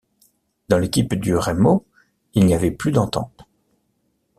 Dans l'équipe du Remo, il n'y avait plus d'entente.